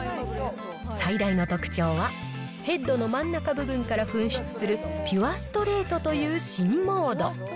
最大の特徴は、ヘッドの真ん中部分から噴出するピュアストレートという新モード。